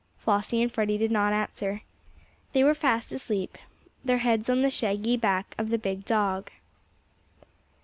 Flossie and Freddie did not answer. They were fast asleep, their heads on the shaggy back of the big dog.